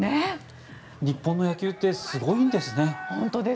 日本の野球ってすごいんですね。